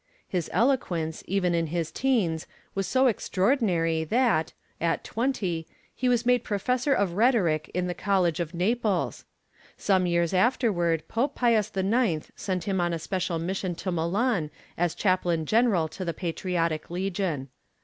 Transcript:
His eloquence, even in his teens, was so extraordinary that, at twenty, he was made Professor of Rhetoric in the College of Naples. Some years afterward Pope Pius the Ninth sent him on a special mission to Milan as Chaplain General to the Patriotic Legion.